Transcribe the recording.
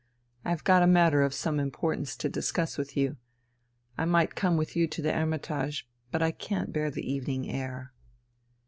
I've got a matter of some importance to discuss with you I might come with you to the Hermitage, but I can't bear the evening air."